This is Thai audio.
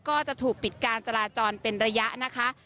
ก็จะถูกปิดการจราจรเป็นระยะนะคะ